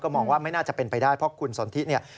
มองว่าไม่น่าจะเป็นไปได้เพราะคุณสนทิเนี่ย